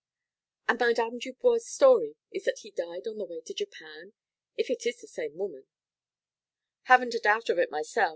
"And Madame Delano's story is that he died on the way to Japan if it is the same woman " "Haven't a doubt of it myself.